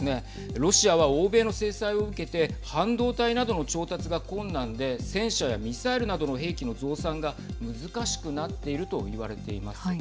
ロシアは欧米の制裁を受けて半導体などの調達が困難で戦車やミサイルなどの兵器の増産が難しくなっていると言われています。